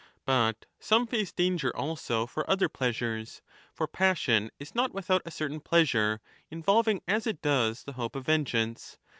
But some face danger also for other 30 pleasures — for passion is not without a certain pleasure, involving as it does the hope of vengeance.